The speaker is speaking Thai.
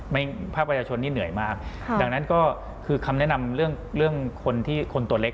ภาคประชาชนนี่เหนื่อยมากดังนั้นก็คือคำแนะนำเรื่องคนที่คนตัวเล็ก